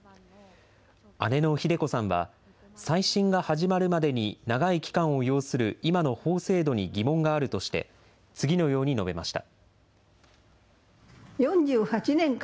姉のひで子さんは、再審が始まるまでに長い期間を要する今の法制度に疑問があるとして、次のように述べました。